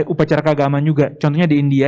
upacara keagamaan juga contohnya di india